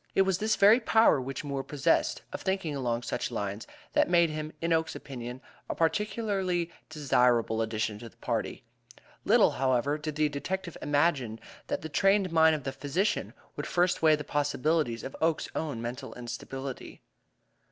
It was this very power which Moore possessed of thinking along such lines that made him, in Oakes's opinion, a particularly desirable addition to the party. Little, however, did the detective imagine that the trained mind of the physician would first weigh the possibilities of Oakes's own mental instability.